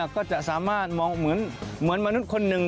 ก็จะสามารถมองเหมือนมนุษย์คนหนึ่ง